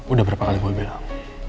udah berapa kali gue bilang